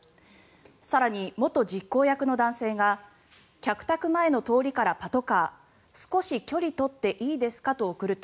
更に、元実行役の男性が客宅前の通りからパトカー少し距離取っていいですか？と送ると